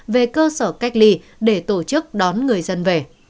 về cơ sở cách ly để tổ chức đón người dân về